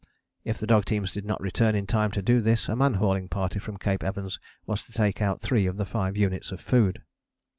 If the dog teams did not return in time to do this a man hauling party from Cape Evans was to take out three of the five units of food.